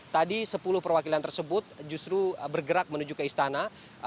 tadi sepuluh perwakilan tersebut justru bergerak menuju ke istana